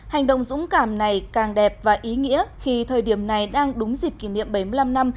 hành động dũng cảm này càng đẹp và ý nghĩa khi thời điểm này đang đúng dịp kỷ niệm bảy mươi năm năm